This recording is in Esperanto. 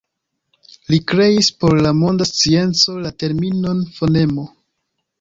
Li kreis por la monda scienco la terminon fonemo.